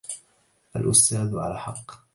الأستاذ على حق.